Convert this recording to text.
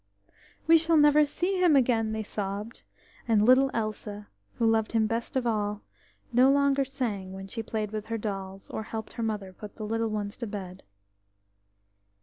E shall never see him again!" they sobbed, and little Elsa, who loved him best of all, no longer sang when she played with her dolls, or helped her mother put the little ones to bed.